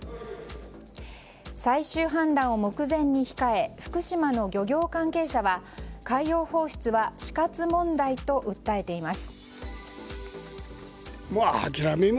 最終判断を目前に控え福島の漁業関係者は海洋放出は死活問題と訴えています。